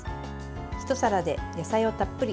ひと皿で野菜をたっぷり。